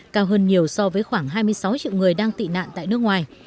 cao hơn nhiều so với khoảng hai mươi sáu triệu người đang tị nạn tại nước ngoài